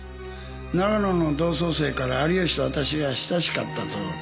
長野の同窓生から有吉と私が親しかったと聞いてね。